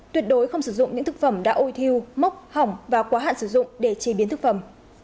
tuyệt đối không sử dụng những thực phẩm đã ôi thiêu mốc hỏng và quá hạn sử dụng để chế biến thực phẩm